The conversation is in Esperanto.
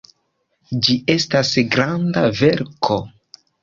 Ĝi estas granda verko.